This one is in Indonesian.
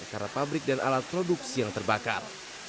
karena pabrik dan alat produksi yang terbakar